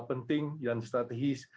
penting dan strategis